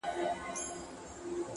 قاسم یار چي په خندا خېژمه دار ته ,